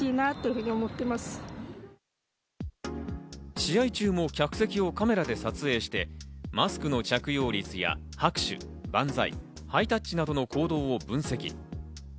試合中も客席をカメラで撮影してマスクの着用率や拍手、万歳、ハイタッチなどの行動を分析。